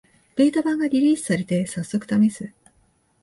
ベータ版がリリースされて、さっそくためす